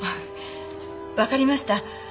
わかりました。